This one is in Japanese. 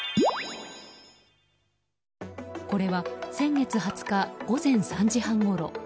これは先月２０日午前３時半ごろ。